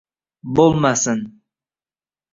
Bo’lmasin